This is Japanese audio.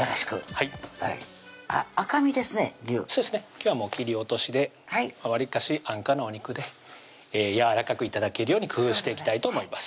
今日は切り落としでわりかし安価なお肉でやわらかく頂けるように工夫していきたいと思います